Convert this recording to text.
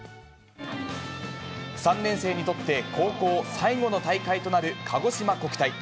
３年生にとって高校最後の大会となるかごしま国体。